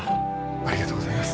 ありがとうございます。